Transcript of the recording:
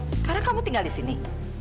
sekarang kamu tinggal di sini